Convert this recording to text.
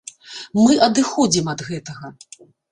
Мы адыходзім ад гэтага.